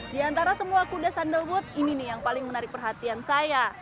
di antara semua kuda sandalwood ini nih yang paling menarik perhatian saya